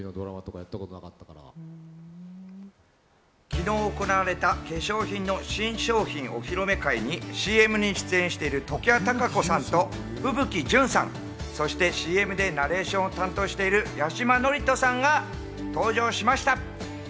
昨日行われた化粧品の新商品お披露目会にＣＭに出演している常盤貴子さんと風吹ジュンさん、そしてＣＭでナレーションを担当している八嶋智人さんが登場しました。